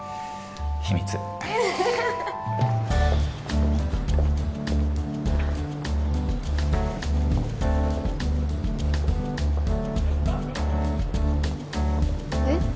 秘密えっ？